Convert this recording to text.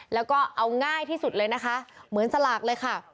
แล้วก็เอาง่ายที่สุดเลยนะคะเหมือนสลากเลยค่ะ